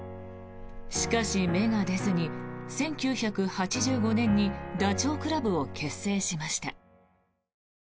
しかし、芽が出ずに１９８５年にダチョウ倶楽部を結成しました。